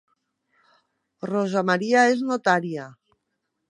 Rosa Maria és notària